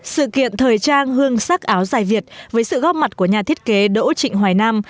sự kiện thời trang hương sắc áo dài việt với sự góp mặt của nhà thiết kế đỗ trịnh hoài nam